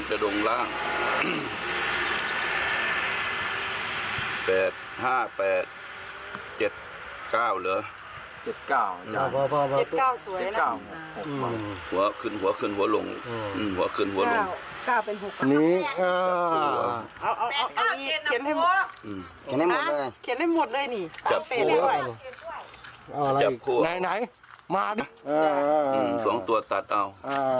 ระวังมันจะลงล่าง